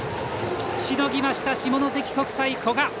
しのぎました、下関国際、古賀。